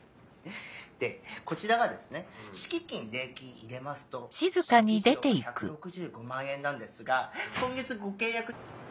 でこちらがですね敷金礼金入れますと初期費用が１６５万円なんですが今月ご契約。